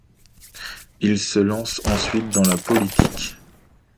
Il se lance ensuite dans la politique.